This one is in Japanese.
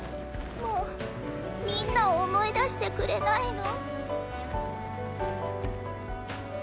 もうみんなをおもいだしてくれないの？